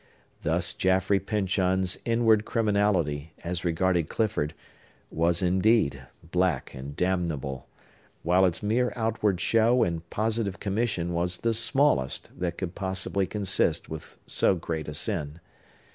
Thus Jaffrey Pyncheon's inward criminality, as regarded Clifford, was, indeed, black and damnable; while its mere outward show and positive commission was the smallest that could possibly consist with so great a sin.